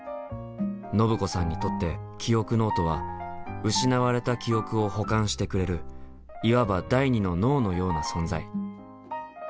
ノブ子さんにとって「記憶ノート」は失われた記憶を補完してくれるいわば第２の脳のような存在。